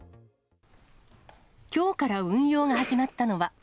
きょうから運用が始まったのは。